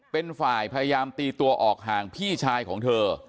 เป็นฝ่ายพยายามตีตัวออกห่างพี่ชายของเธอ